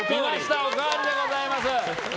おかわりでございます。